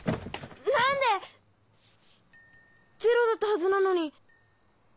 何で⁉ゼロだったはずなのに。